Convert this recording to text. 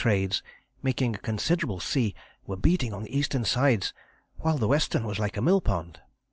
Trades, making a considerable sea, were beating on the eastern sides, while the western was like a mill pond.